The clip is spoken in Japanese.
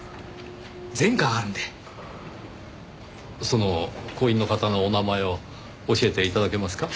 その工員の方のお名前を教えて頂けますか？